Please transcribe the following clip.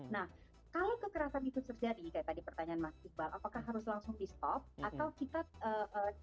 nah kalau kekerasan itu terjadi kayak tadi pertanyaan tadi kalau kekerasan itu terjadi kayak tadi pertanyaan tadi kalau kekerasan itu terjadi kayak tadi pertanyaan tadi